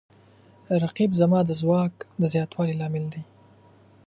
رقیب زما د ځواک د زیاتوالي لامل دی